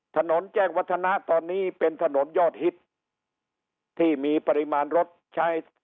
ถนนแจ้งวัฒนะตอนนี้เป็นถนนยอดฮิตที่มีปริมาณรถใช้